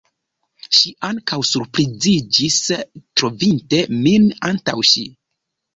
Ŝi ankaŭ surpriziĝis, trovinte min antaŭ ŝi.